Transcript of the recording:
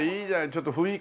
ちょっと雰囲気